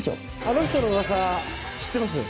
あの人のうわさ知ってます？